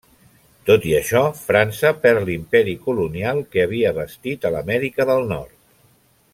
Tot i això, França perd l'imperi colonial que havia bastit a l'Amèrica del Nord.